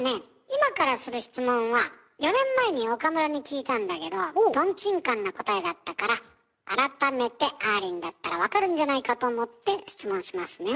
今からする質問は４年前に岡村に聞いたんだけどとんちんかんな答えだったから改めてあーりんだったら分かるんじゃないかと思って質問しますね。